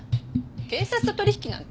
警察と取引なんて。